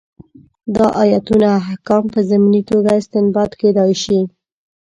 دا ایتونه احکام په ضمني توګه استنباط کېدای شي.